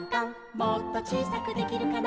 「もっとちいさくできるかな」